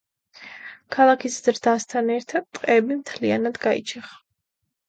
ქალაქის ზრდასთან ერთად ტყეები მთლიანად გაიჩეხა.